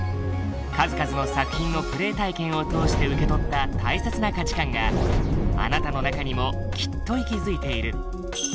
数々の作品のプレイ体験を通して受け取った大切な価値観があなたの中にもきっと息づいている。